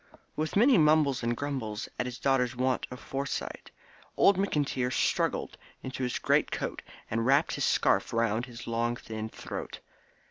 With many mumbles and grumbles at his daughter's want of foresight, old McIntyre struggled into his great coat and wrapped his scarf round his long thin throat.